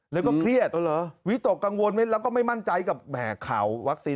แล้วก็เครียดวิตกกังวลแล้วก็ไม่มั่นใจกับแห่ข่าววัคซีน